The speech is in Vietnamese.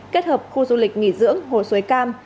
kết hợp khu du lịch nghỉ dưỡng hồ suối cam